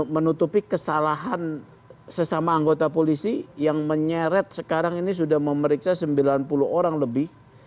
menutupi kesalahan sesama anggota polisi yang menyeret sekarang ini sudah memeriksa sembilan puluh orang lebih